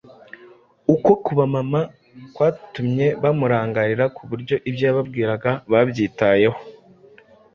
Uko kubamama kwatumye bamurangarira ku buryo ibyo yababwiraga babyitayeho.